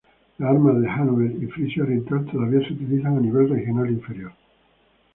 Las armas de Hannover y Frisia Oriental todavía se utilizan a nivel regional inferior.